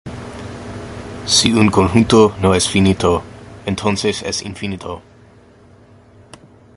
Si un conjunto no es finito, entonces es infinito.